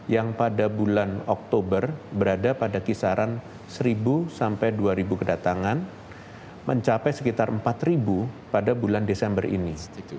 yang pada bulan oktober berada pada kisaran seribu sampai dua ribu kedatangan mencapai sekitar empat pada bulan desember ini